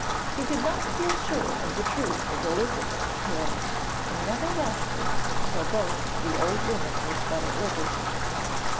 He did not feel sure of the truth of Elizabeth's tale, and never rested till both the old women were set at liberty.